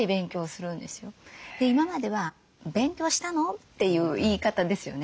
今までは「勉強したの？」っていう言い方ですよね。